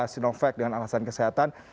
sinovac dengan alasan kesehatan